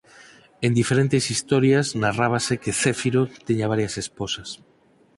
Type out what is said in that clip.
En diferentes historias narrábase que Céfiro tiña varias esposas.